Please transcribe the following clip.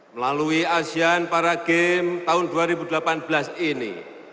melalui asean para games tahun dua ribu delapan belas ini